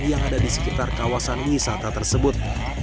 yang ada di sekitar kawasan wisata tersebut